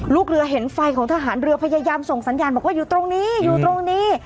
ลูกเรือเห็นไฟของทหารเรือพยายามส่งสัญญาณบอกว่าอยู่ตรงนี้อยู่ตรงนี้